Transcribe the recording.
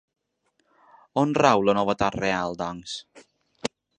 On rau la novetat real, doncs?